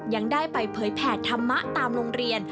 ยังได้ไปเผยแผ่ธรรมะตามโรงเรียน